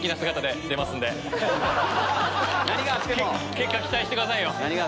結果期待してくださいよ。